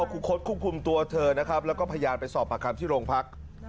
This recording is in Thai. ทำรวจสอบพลังคุ้มตัวเธอนะครับแล้วก็พยานไปสอบประคับที่โรงพรรค